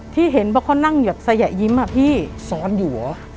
ที่เห็นบอกเขานั่งสยะยิ้มอ่ะพี่ซ้อนอยู่เหรอ